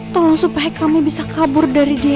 tolong supaya kamu bisa kabur dari dia